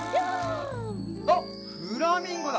あっフラミンゴだ！